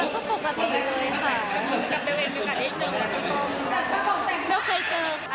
ไม่แน่ครับก็ปกติเลยค่ะ